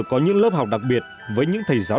có những lớp học đặc biệt với những thầy giáo